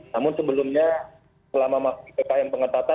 namun sebelumnya selama ppkm pengetatan